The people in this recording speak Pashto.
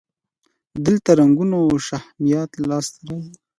دلته رنګونه او شهمیات لاسته راځي.